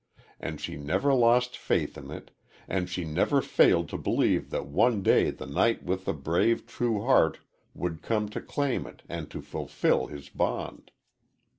And she never lost faith in it, and she never failed to believe that one day the knight with the brave, true heart would come to claim it and to fulfill his bond.